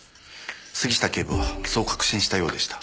杉下警部はそう確信したようでした。